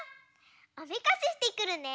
おめかししてくるね！